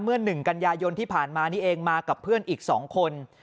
เมื่อหนึ่งกัญญาโยนที่ผ่านมานี่เองมากับเพื่อนอีกสองคน